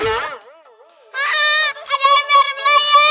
haa ada yang berbelaya